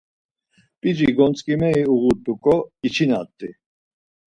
P̌ici gontzǩimeri uğut̆uǩo ,içinat̆i.